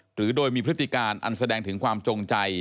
หรือโดยมีพฤติการอันแสดงถึงความจงใจ